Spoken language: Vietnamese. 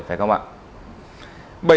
phải không ạ